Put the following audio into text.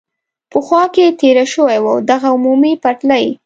په خوا کې تېره شوې وه، دغه عمومي پټلۍ.